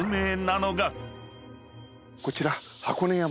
こちら。